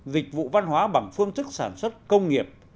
dịch vụ văn hóa bằng phương thức sản xuất công nghiệp